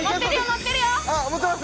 持ってます？